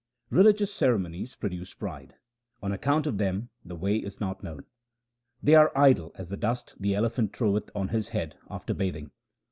Religious ceremonies produce pride ; on account of them the way is not known ; They are idle as the dust the elephant throweth on his head after bathing.